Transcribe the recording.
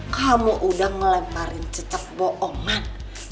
kamu udah melemparin cicak boongan